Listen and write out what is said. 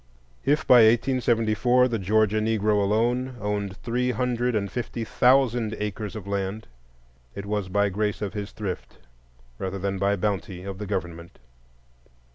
If by 1874 the Georgia Negro alone owned three hundred and fifty thousand acres of land, it was by grace of his thrift rather than by bounty of the government.